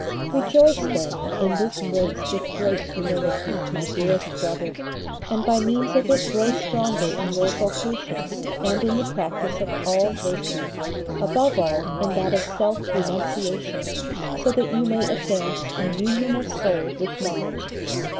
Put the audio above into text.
Rejoice, then, in this grace with great humility, my dearest brother, and by means of it grow stronger in your vocation and in the practice of all virtue, above all in that of self renunciation, so that you may advance in union of soul with God.